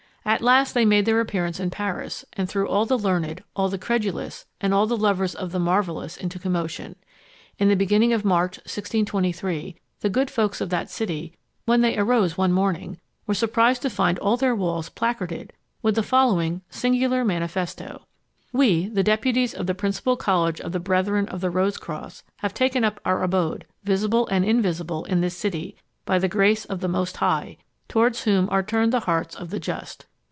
At last they made their appearance in Paris, and threw all the learned, all the credulous, and all the lovers of the marvellous into commotion. In the beginning of March 1623, the good folks of that city, when they arose one morning, were surprised to find all their walls placarded with the following singular manifesto: "_We, the deputies of the principal College of the Brethren of the Rose cross, have taken up our abode, visible and invisible, in this city, by the grace of the Most High, towards whom are turned the hearts of the just.